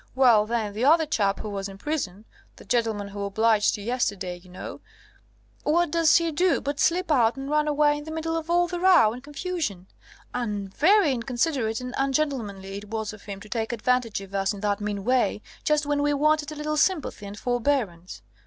Well, then, the other chap who was in prison the gentleman who obliged you yesterday, you know what does he do but slip out and run away in the middle of all the row and confusion; and very inconsiderate and ungentlemanly it was of him to take advantage of us in that mean way, just when we wanted a little sympathy and forbearance.